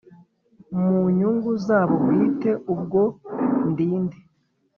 mu nyungu zabo bwite Ubwo ndi nde